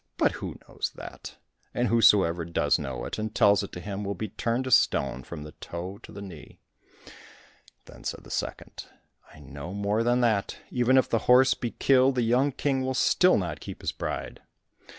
But who knows that? And whosoever does know it, and tells it to him, will be turned to stone from the toe to the knee." Then said the second, "I know more than that; even if the horse be killed, the young King will still not keep his bride.